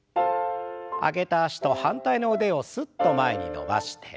上げた脚と反対の腕をすっと前に伸ばして。